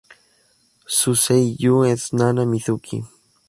Su "seiyū" es Nana Mizuki.